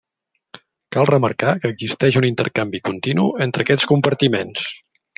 Cal remarcar que existeix un intercanvi continu entre aquests compartiments.